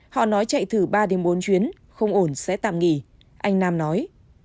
họ nói chạy thử ba đến bốn chuyến không ổn sẽ tạm nghỉ anh nam nói